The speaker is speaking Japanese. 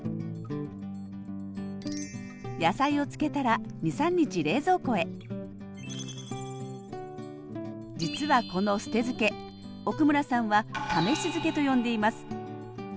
野菜を漬けたら２３日冷蔵庫へ実はこの捨て漬け奥村さんは「試し漬け」と呼んでいます。